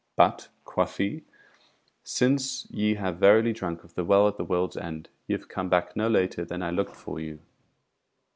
"But," quoth he, "since ye have verily drunk of the Well at the World's End, ye have come back no later than I looked for you."